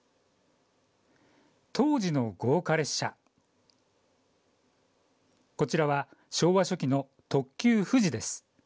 当時の豪華列車、こちらは昭和初期の特急富士です。